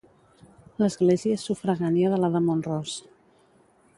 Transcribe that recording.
L'església és sufragània de la de Mont-ros.